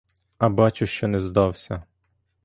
А бачу, що не здався!